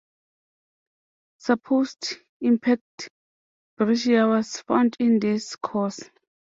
Supposed impact breccia was found in these cores.